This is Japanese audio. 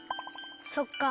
そっか。